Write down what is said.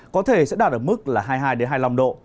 có thể sẽ đạt ở mức là hai mươi hai hai mươi năm độ